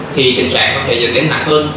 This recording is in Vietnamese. thì tình trạng có thể dành đến nặng hơn